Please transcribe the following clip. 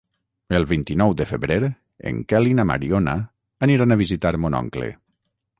El vint-i-nou de febrer en Quel i na Mariona aniran a visitar mon oncle.